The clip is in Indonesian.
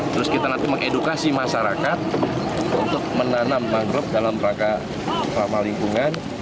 terus kita nanti mengedukasi masyarakat untuk menanam mangrove dalam rangka ramah lingkungan